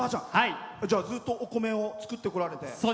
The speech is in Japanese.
ずっと、お米を作ってこられて。